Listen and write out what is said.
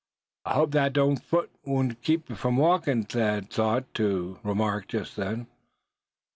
"I hope that foot won't keep you from walking?" Thad thought to remark just then.